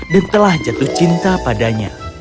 dan telah jatuh cinta padanya